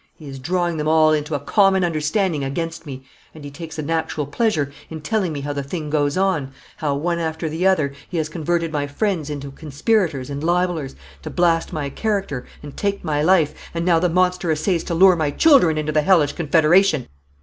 He is drawing them all into a common understanding against me; and he takes an actual pleasure in telling me how the thing goes on how, one after the other, he has converted my friends into conspirators and libelers, to blast my character, and take my life, and now the monster essays to lure my children into the hellish confederation."